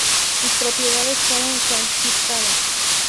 Sus propiedades fueron confiscadas.